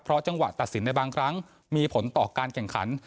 เพราะจังหวะตัดสินในบางครั้งมีผลต่อการแข่งขัน